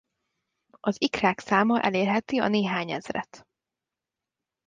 Az ikrák száma elérheti a néhány ezret.